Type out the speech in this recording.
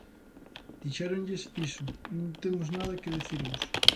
Dixéronlles iso: non temos nada que dicirvos.